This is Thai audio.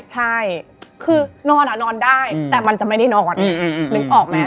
ใช่คือนอนนอนได้แต่มันจะไม่ได้นอนนึกออกแล้ว